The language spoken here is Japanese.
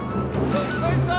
どっこいしょ！